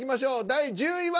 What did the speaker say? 第１０位は。